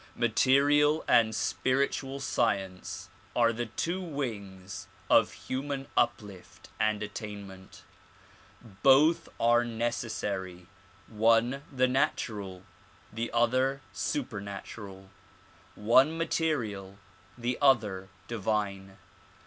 Ma terial and spiritual science are the two wings of human uplift and attainment. Both are necejjsary, one the natural, the other super natural; one material, the other divine.